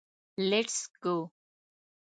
لېټس ګو.